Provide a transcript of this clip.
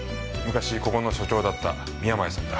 昔ここの所長だった宮前さんだ。